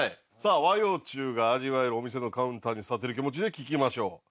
さあ和洋中が味わえるお店のカウンターに座ってる気持ちで聞きましょう。